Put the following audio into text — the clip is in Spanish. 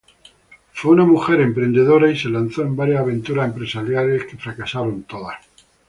Fue una mujer emprendedora y se lanzó en varias aventuras empresariales que fracasaron todas.